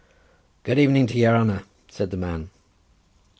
"Good evening to your haner," said the man.